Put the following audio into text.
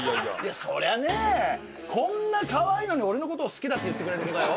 そりゃねこんなかわいいのに俺のことを好きだって言ってくれる子だよ？